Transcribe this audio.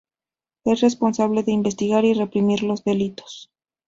Es responsable de investigar y reprimir los delitos.